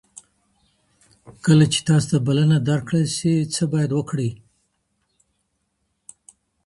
کله چي تاسو ته بلنه درکړل سي څه بايد وکړئ؟